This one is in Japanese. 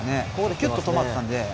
きゅっと止まったので。